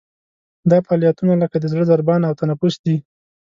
دا فعالیتونه لکه د زړه ضربان او تنفس دي.